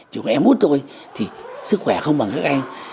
chỉ có em út tôi thì sức khỏe không bằng các anh